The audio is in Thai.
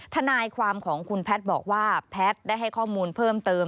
ทนายความของคุณแพทย์บอกว่าแพทย์ได้ให้ข้อมูลเพิ่มเติม